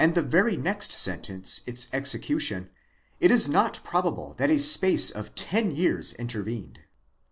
the very next sentence its execution, it is not probable that a space of ten: years intervened.